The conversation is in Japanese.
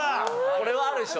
これはあるでしょ。